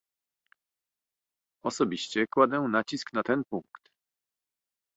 Osobiście kładę nacisk na ten punkt